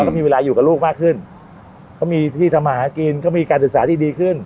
ก็มีเวลาอยู่กับลูกมากขึ้นเขามีที่ทำมาหากินเขามีการศึกษาที่ดีขึ้น